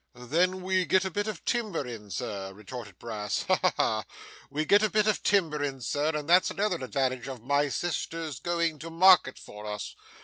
'Then we get a bit of timber in, Sir,' retorted Brass. 'Ha, ha, ha! We get a bit of timber in, Sir, and that's another advantage of my sister's going to market for us.